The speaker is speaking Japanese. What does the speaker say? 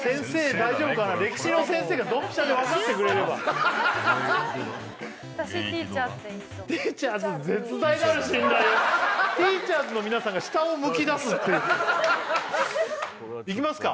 大丈夫かな歴史の先生がドンピシャで分かってくれれば私ティーチャーズでいいと思うティーチャーズの皆さんが下を向きだすっていういきますか？